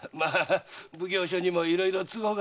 奉行所にもいろいろ都合があってな。